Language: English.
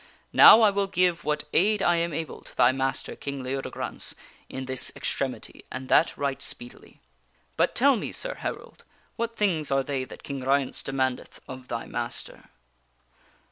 Now I will give what aid I am able to thy master, King Leodegrance, in this extremity, and that right speedily. But tell me, sir herald, what things are they that King Ryence demandeth of thy master?"